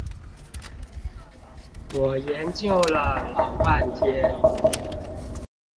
我研究了老半天